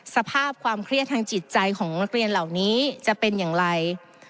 สภาพความเครียดทางจิตใจของนักเรียนเหล่านี้จะเป็นอย่างไร